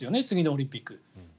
次のオリンピック。